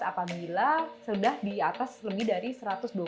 apabila sudah di atas lebih dari satu ratus dua puluh enam mg per desiliter